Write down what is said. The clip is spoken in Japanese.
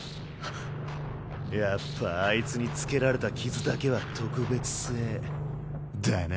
やっぱあいつに付けられた傷だけは特別製だな。